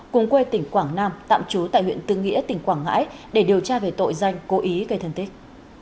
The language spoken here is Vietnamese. cùng quê tỉnh quảng nam tạm trú tại huyện tư nghĩa tỉnh quảng ngãi để điều tra về tội danh cố ý gây thân tích